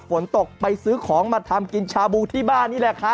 ฝนตกไปซื้อของมาทำกินชาบูที่บ้านนี่แหละค่ะ